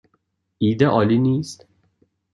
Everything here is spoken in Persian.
ایده عالی نیست؟